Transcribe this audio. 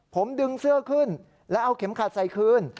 ผมดึงเสื้อขึ้นแล้วเอาเข็มขัดใส่คืน